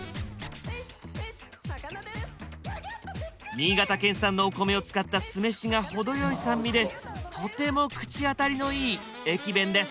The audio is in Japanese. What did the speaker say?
新潟県産のお米を使った酢飯が程よい酸味でとても口当たりのいい駅弁です。